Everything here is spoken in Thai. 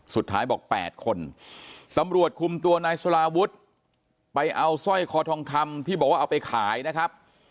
สุดท้ายบอก๘คนตำรวจคุมตัวนายสลาวุฒิไปเอาสร้อยคอทองคำที่บอกว่าเอาไปขายนะครับ